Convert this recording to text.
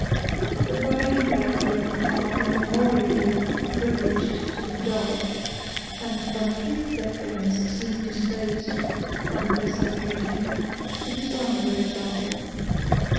The bride and bridegroom are immemorially privileged to be dull, and but few of their friends seemed disposed, on the present occasion, to dishonor their example.